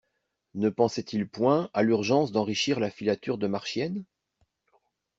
Ne pensaient-ils point à l'urgence d'enrichir la filature de Marchiennes?